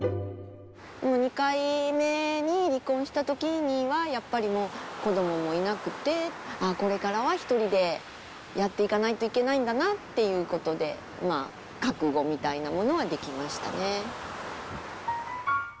２回目に離婚したときには、やっぱりもう、子どももいなくて、ああ、これからは一人でやっていかないといけないんだなっていうことで、まあ、覚悟みたいなものはできましたね。